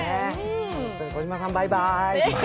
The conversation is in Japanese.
児嶋さん、バイバーイ。